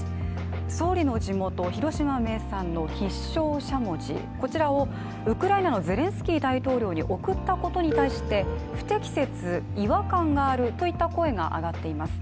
総理の地元・広島名産の必勝しゃもじ、こちらをウクライナのゼレンスキー大統領に贈ったことに対して不適切、違和感があるといった声が上がっています。